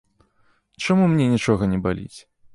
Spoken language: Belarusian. Чаму мне нічога не баліць?